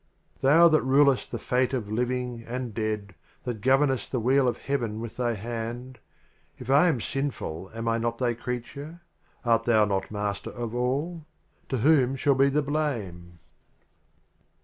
LXXXVI. Thou That rulest the Fate of Liv ing and Dead, That governest the Wheel of Heaven with Thy Hand, If I am sinful, am I not Thy Crea ture? Art Thou not Master of All? — To whom shall be the Blame?